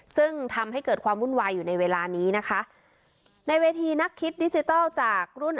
ซึ่งทำให้เกิดความวุ่นวายอยู่ในเวลานี้นะคะในเวทีนักคิดดิจิทัลจากรุ่น